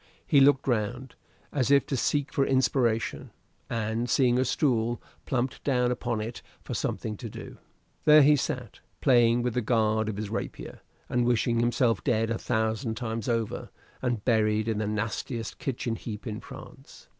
He looked round, as if to seek for inspiration, and seeing a stool, plumped down upon it for something to do. There he sat, playing with the guard of his rapier, and wishing himself dead a thousand times over, and buried in the nastiest kitchen heap in France.